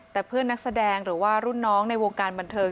แต่เพื่อนนักแสดงหรือว่ารุ่นน้องในวงการบันเทิง